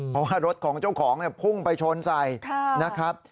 เพราะว่ารถของเจ้าของพุ่งไปชนใส่นะครับ